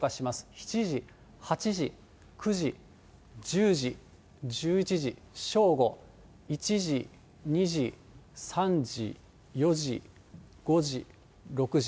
７時、８時、９時、１０時、１１時、正午、１時、２時、３時、４時、５時、６時。